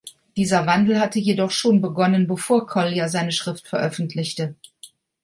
Dieser Wandel hatte jedoch schon begonnen, bevor Collier seine Schrift veröffentlichte.